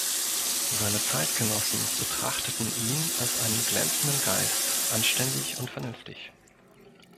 Seine Zeitgenossen betrachteten ihn als einen glänzenden Geist, anständig und vernünftig.